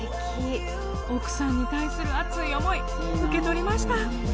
奥さんに対する熱い思い受け取りました